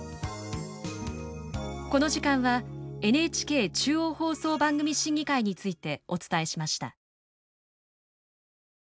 この時間はＮＨＫ中央放送番組審議会についてお伝えしました。